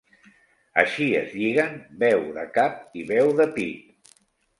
Així es lliguen veu de cap i veu de pit.